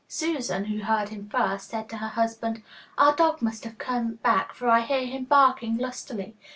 Susan, who heard him first, said to her husband, 'Our dog must have come back, for I hear him barking lustily.